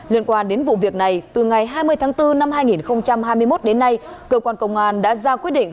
liên quan đến vụ việc này từ ngày hai mươi tháng bốn năm hai nghìn hai mươi một đến nay cơ quan công an đã ra quyết định